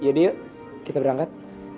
yaudah yuk kita berangkat